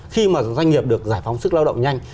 khi mà doanh nghiệp được giải phóng sức lao động nhanh